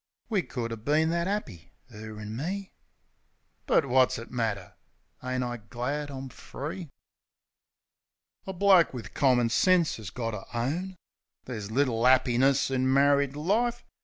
We could 'a' been that 'appy, 'er an' me ... But wot's it matter? Ain't I glad I'm free? A bloke wiv commin sense 'as got to own There's little 'appiness in married life.